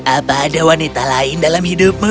apa ada wanita lain dalam hidupmu